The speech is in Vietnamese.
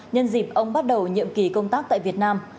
nhân dịp ông bắt đầu nhiệm kỳ công tác tại việt nam